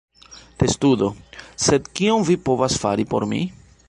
Testudo: "Sed, kion vi povas fari por mi?"